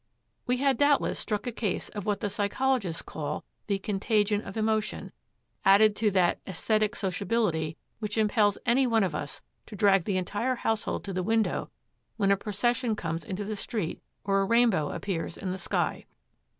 We had doubtless struck a case of what the psychologists call the 'contagion of emotion,' added to that 'æsthetic sociability' which impels any one of us to drag the entire household to the window when a procession comes into the street or a rainbow appears in the sky.